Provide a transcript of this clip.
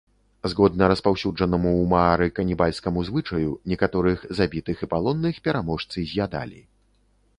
Згодна распаўсюджанаму ў маары канібальскаму звычаю, некаторых забітых і палонных пераможцы з'ядалі.